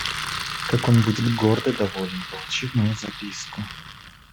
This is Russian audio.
Как он будет горд и доволен, получив мою записку!